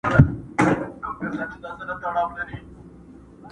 ليکوال په هنري ډول ګڼ نومونه راوړي تر څو دا مفهوم پراخ کړي.